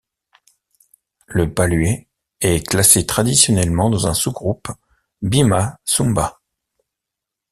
Le palu'e est classé traditionnellement dans un sous-groupe bima-sumba.